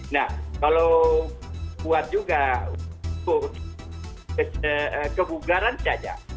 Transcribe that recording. nah kalau kuat juga kebugaran saja